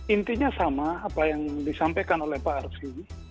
intinya sama apa yang disampaikan oleh pak arsi